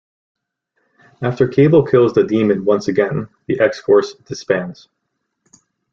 After Cable kills the demon once again, the X-Force disbands.